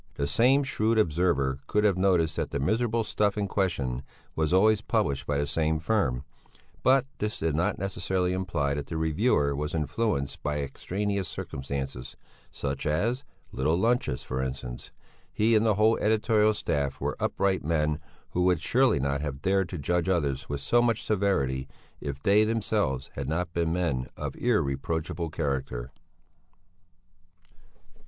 The same shrewd observer could have noticed that the miserable stuff in question was always published by the same firm; but this did not necessarily imply that the reviewer was influenced by extraneous circumstances, such as little lunches, for instance; he and the whole editorial staff were upright men who would surely not have dared to judge others with so much severity if they themselves had not been men of irreproachable character.